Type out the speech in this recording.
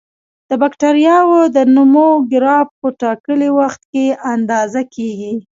د بکټریاوو د نمو ګراف په ټاکلي وخت کې اندازه کیږي.